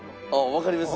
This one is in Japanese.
わかります？